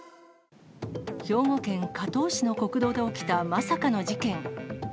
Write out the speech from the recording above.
兵庫県加東市の国道で起きたまさかの事件。